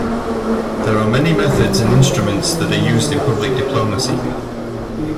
There are many methods and instruments that are used in public diplomacy.